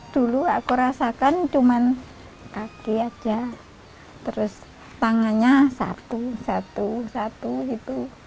dulu aku rasakan cuma kaki aja terus tangannya satu satu gitu